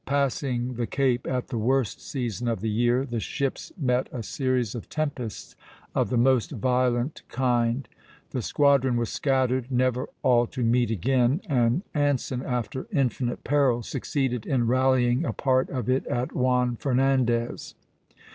Passing the Cape at the worst season of the year, the ships met a series of tempests of the most violent kind; the squadron was scattered, never all to meet again, and Anson, after infinite peril, succeeded in rallying a part of it at Juan Fernandez.